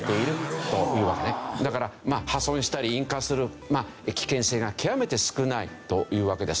だから破損したり引火する危険性が極めて少ないというわけです。